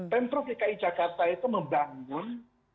pemprov dki jakarta itu membangun